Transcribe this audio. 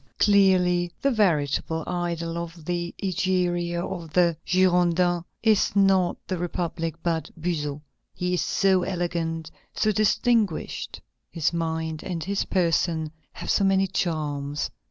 Clearly, the veritable idol of the Egeria of the Girondins is not the republic, but Buzot. He is so elegant, so distinguished! His mind and his person have so many charms!